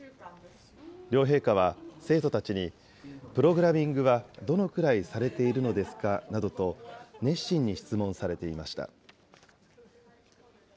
両陛下は、生徒たちにプログラミングはどのくらいされているのですか？などと熱心に質問されていました。